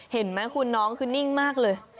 เห็นไหมคุณน้องคือนิ่งมากเลย